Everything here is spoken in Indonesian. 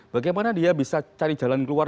bagaimana dia bisa cari jalan keluar